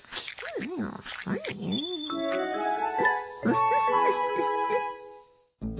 ウフフフフ。